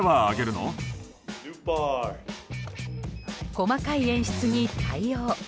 細かい演出に対応。